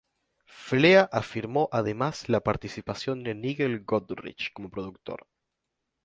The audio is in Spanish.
Flea afirmó además la participación de Nigel Godrich como productor.